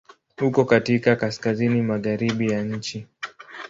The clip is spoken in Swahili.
Uko katika Kaskazini magharibi ya nchi.